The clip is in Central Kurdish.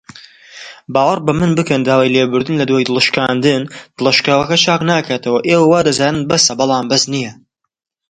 کلیسایەکی بە دەستەوە بوو لە پاریسدا